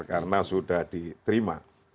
karena sudah diterima